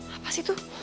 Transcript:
apa sih itu